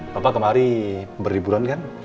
bapak kemarin beriburan kan